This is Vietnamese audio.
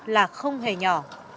là không hề nhỏ